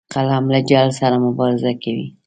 قلم له جهل سره مبارزه کوي